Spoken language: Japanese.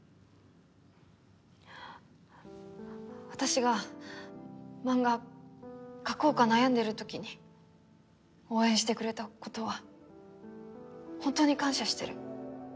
私が漫画描こうか悩んでる時に応援してくれた事は本当に感謝してる。